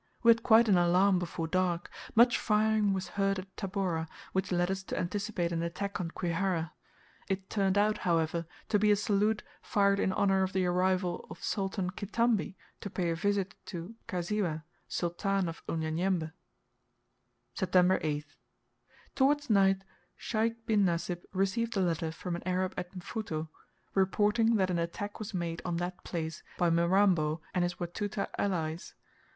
We had quite an alarm before dark. Much firing was heard at Tabora, which led us to anticipate an attack on Kwihara. It turned out, however, to be a salute fired in honour of the arrival of Sultan Kitambi to pay a visit to Mkasiwa, Sultan of Unyanyembe. September 8th. Towards night Sheikh bin Nasib received a letter from an Arab at Mfuto, reporting that an attack was made on that place by Mirambo and his Watuta allies.